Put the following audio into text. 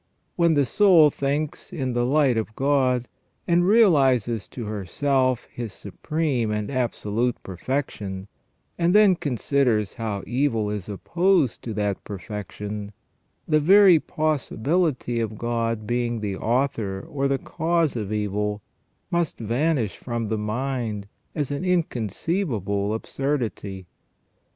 When the soul thinks in the light of God, and realizes to herself His supreme and absolute perfection, and then considers how evil is opposed to that perfection, the very possibility of God being the author or the cause of evil must vanish from the mind as an inconceivable absurdity.